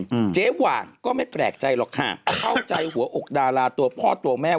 อืมเจ๊หว่างก็ไม่แปลกใจหรอกค่ะเข้าใจหัวอกดาราตัวพ่อตัวแม่